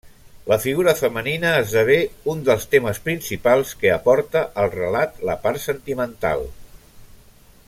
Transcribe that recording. La figura femenina esdevé un dels temes principals que aporta al relat la part sentimental.